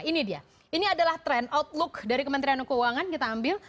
ini dia ini adalah trend outlook dari kementerian keuangan kita ambil